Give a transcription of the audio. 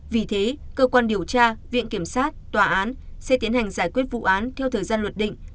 vì thế cơ quan điều tra viện kiểm sát tòa án sẽ tiến hành giải quyết vụ án theo thời gian luật định